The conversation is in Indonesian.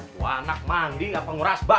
lo anak mandi ga penguras bak